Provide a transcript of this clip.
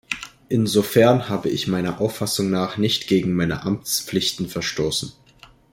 Insofern habe ich meiner Auffassung nach nicht gegen meine Amtspflichten verstoßen.